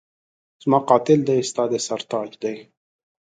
زما قاتل دی ستا د سر تاج دی